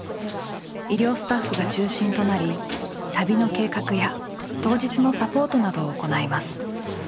医療スタッフが中心となり旅の計画や当日のサポートなどを行います。